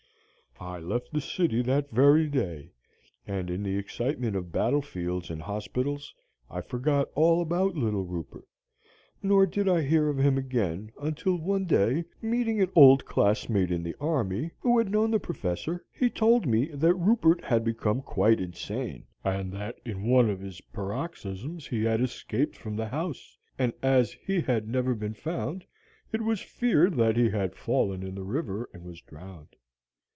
"I left the city that very day, and in the excitement of battle fields and hospitals, I forgot all about little Rupert, nor did I hear of him again, until one day, meeting an old classmate in the army, who had known the Professor, he told me that Rupert had become quite insane, and that in one of his paroxysms he had escaped from the house, and as he had never been found, it was feared that he had fallen in the river and was drowned.